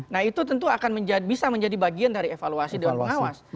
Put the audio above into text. nah itu tentu akan bisa menjadi bagian dari evaluasi dewan pengawas